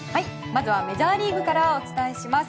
まずはメジャーリーグからお伝えします。